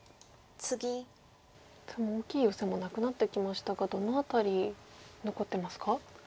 さあ大きいヨセもなくなってきましたがどの辺り残ってますか？